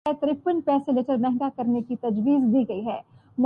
اس نے کچھ سنا ہی نہیں ہو۔